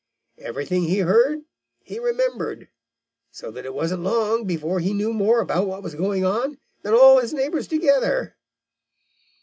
Everything he heard he remembered, so that it wasn't long before he knew more about what was going on than all his neighbors together.